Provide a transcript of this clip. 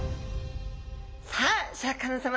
さあシャーク香音さま